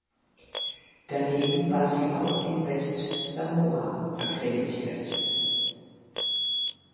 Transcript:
Daneben war sie auch in Westsamoa akkreditiert.